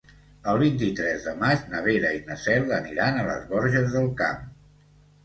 El vint-i-tres de maig na Vera i na Cel aniran a les Borges del Camp.